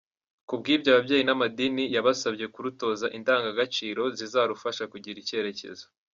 Ku bw’ibyo ababyeyi n’amadini yabasabye kurutoza indangagaciro zizarufasha kugira icyerekezo.